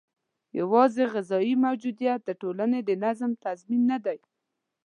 یوازې غذايي موجودیت د ټولنې د نظم تضمین نه دی.